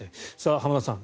浜田さん